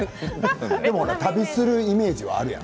でも旅するイメージはあるやん。